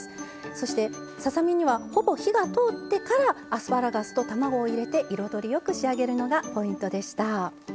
そしてささ身にはほぼ火が通ってからアスパラガスと卵を入れて彩りよく仕上げるのがポイントでした。